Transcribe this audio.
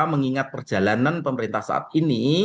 mengingat perjalanan pemerintah saat ini